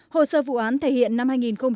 hồ sơ vụ án thể hiện năm hai nghìn một mươi ba